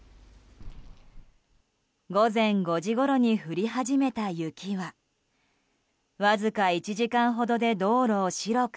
午前５時ごろに降り始めた雪はわずか１時間ほどで道路を白く